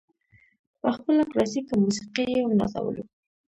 په خپله کلاسیکه موسیقي یې ونازولو.